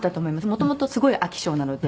もともとすごい飽き性なので。